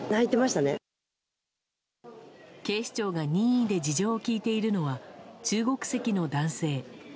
警視庁が任意で事情を聴いているのは中国籍の男性。